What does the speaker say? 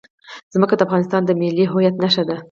ځمکه د افغانستان د ملي هویت نښه ده.